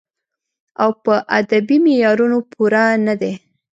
او پۀ ادبې معيارونو پوره نۀ دی